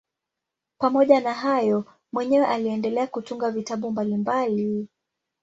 Pamoja na hayo mwenyewe aliendelea kutunga vitabu mbalimbali.